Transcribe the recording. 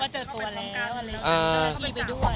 ว่าเจอตัวแล้วแล้วเข้าไปจับ